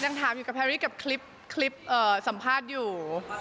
ยังถามอยู่กับแพรรี่กับคลิปสัมภาษณ์อยู่